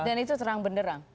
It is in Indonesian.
dan itu terang benderang